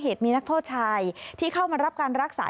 เหตุมีนักโทษชายที่เข้ามารับการรักษา